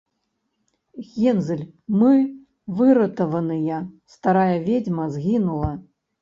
- Гензель, мы выратаваныя: старая ведзьма згінула!